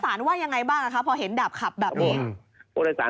พระมงธ์ไฮเววียตโปรนิสสึดมาขับรถ